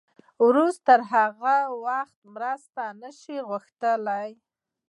روس تر هغه وخته مرسته نه شي غوښتلی.